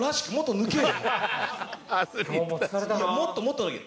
もっともっと抜け。